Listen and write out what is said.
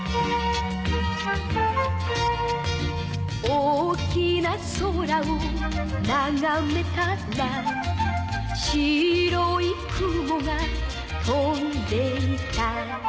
「大きな空をながめたら」「白い雲が飛んでいた」